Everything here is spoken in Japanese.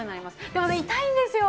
でもね、痛いんですよ。